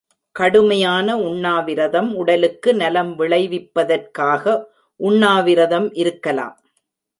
கடுமையான உண்ணாவிரதம் உடலுக்கு நலம் விளைவிப்பதற்காக உண்ணாவிரதம் இருக்கலாம்.